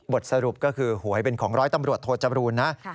สรุปก็คือหวยเป็นของร้อยตำรวจโทจบรูนนะ